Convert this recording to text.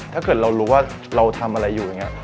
ถ้าเกิดเรารู้ว่าเราทำอะไรอยู่อย่างนี้